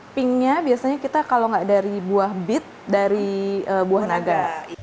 warna pinknya biasanya kita kalau enggak dari buah bit dari buah naga